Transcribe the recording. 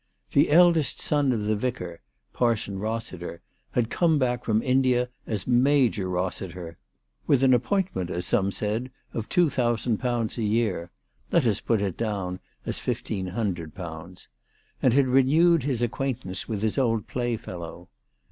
The eldest son of the vicar, Parson Eossiter, had come back from India as Major Eossiter, with an appointment, as some 326 ALICE DUGDALE. said, of 2,000 a year ; let us put it down as 1,500 ; and had renewed his acquaintance with his old play fellow.